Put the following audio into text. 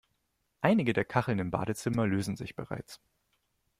Einige der Kacheln im Badezimmer lösen sich bereits.